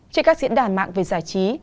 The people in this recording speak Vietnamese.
trên các diễn đàn mạng về giải trí